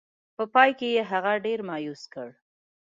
په پای کې یې هغه ډېر مایوس کړ.